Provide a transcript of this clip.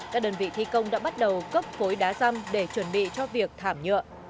các đơn vị thi công đã bắt đầu cấp phối đá răm để chuẩn bị cho việc thảm nhựa